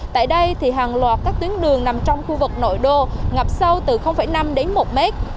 tại đây hàng loạt các tuyến đường nằm trong khu vực nội đô ngập sâu từ năm đến một mét